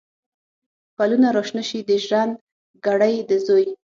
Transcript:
پلونه را شنه شي، د ژرند ګړی د زوی